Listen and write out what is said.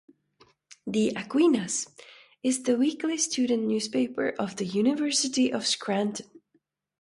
"The Aquinas" is the weekly student newspaper of the University of Scranton.